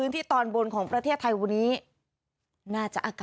สวัสดีค่ะรุ่นก่อนเวลาเหนียวกับดาวสุภาษฎรามมาแล้วค่ะ